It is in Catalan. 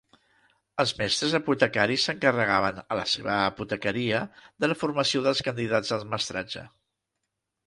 Els mestres apotecaris s'encarregaven, a la seva apotecaria, de la formació dels candidats al mestratge.